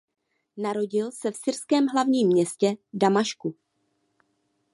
Narodil se v syrském hlavním městě Damašku.